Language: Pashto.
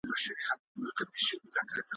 درته منصور سمه پردی له خپله ځانه سمه `